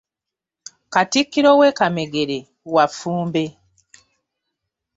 Katikkiro we Kamegere wa Ffumbe.